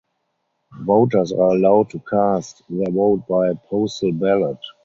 Voters are allowed to cast their vote by postal ballot.